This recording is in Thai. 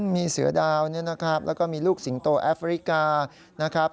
มีเสือดาวเนี่ยนะครับแล้วก็มีลูกสิงโตแอฟริกานะครับ